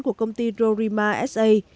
của công ty rorima sa